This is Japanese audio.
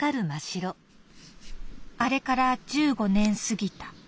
「あれから１５年過ぎた。